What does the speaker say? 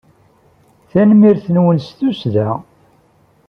Tanemmirt-nwen s tussda!